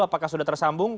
apakah sudah tersambung